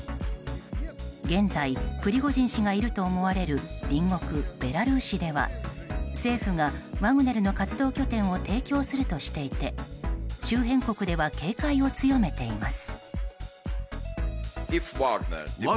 現在、プリゴジン氏がいると思われる、隣国ベラルーシでは政府がワグネルの活動拠点を提供するとしていて周辺国では警戒を強めています。